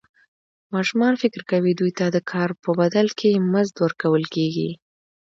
ماشومان فکر کوي دوی ته د کار په بدل کې مزد ورکول کېږي.